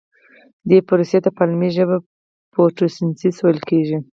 دې پروسې ته په علمي ژبه فتوسنتیز ویل کیږي